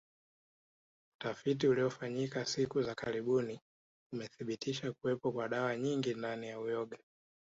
Utafiti uliofanyika siku za karibuni umethibitisha kuwepo kwa dawa nyingi ndani ya uyoga